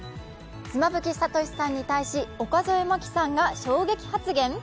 妻夫木聡さんに対し、岡副麻希さんが衝撃発言？